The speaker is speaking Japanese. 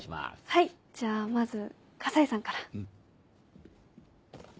はいじゃあまず河西さんから。